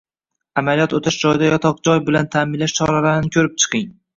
Amaliyot o'tash joyida yotoq joy bilan ta´minlash choralarini ko'rib chiqing.